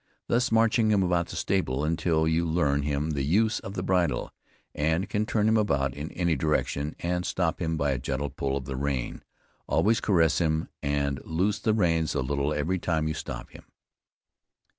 Thus marching him about in the stable until you learn him the use of the bridle, and can turn him about in any direction, and stop him by a gentle pull of the rein. Always caress him, and loose the reins a little every time you stop him.